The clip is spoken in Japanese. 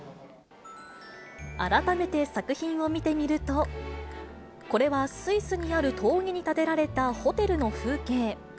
改めて作品を見てみると、これはスイスにある峠に建てられたホテルの風景。